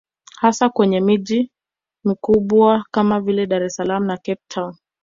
Hasa kwenye miji mikubwa kama vile Dar es salaam na Cape town